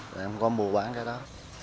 tụi em không có mua bán cái đó